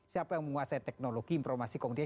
siapa yang menguasai teknologi informasi kemudian